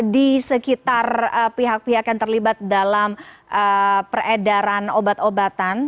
di sekitar pihak pihak yang terlibat dalam peredaran obat obatan